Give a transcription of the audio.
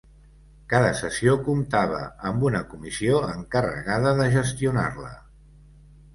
Cada sessió comptava amb una comissió encarregada de gestionar-la.